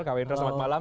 kawendra selamat malam